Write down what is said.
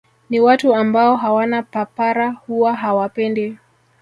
Ni watu ambao hawana papara huwa hawapendi